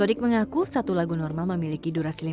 sodik mengaku satu lagu normal memiliki durasi lima menit